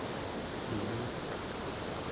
ilutak